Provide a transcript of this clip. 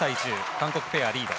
韓国ペアがリード。